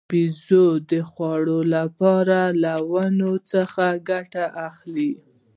بیزو د خوړو لپاره له ونو څخه ګټه اخلي.